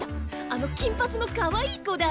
あの金髪のかわいい子だ。